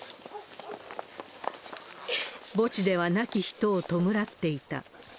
墓地では亡き人を弔っていた。